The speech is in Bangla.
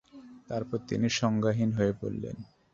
অতঃপর তিনি সংজ্ঞাহীন হয়ে পড়লেন।